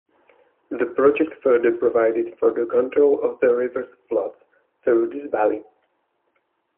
The project further provided for the control of the river's floods through this Valley.